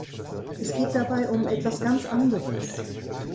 Es geht dabei um etwas ganz anderes.